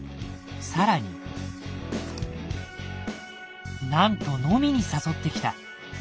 更になんと飲みに誘ってきた。